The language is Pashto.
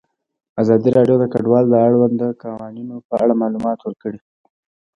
ازادي راډیو د کډوال د اړونده قوانینو په اړه معلومات ورکړي.